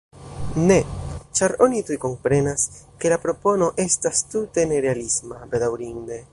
Ne, ĉar oni tuj komprenas, ke la propono estas tute nerealisma - bedaŭrinde.